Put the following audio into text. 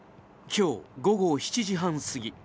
今日午後７時半過ぎ